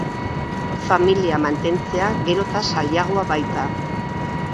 Familia mantentzea gero eta zailago baita.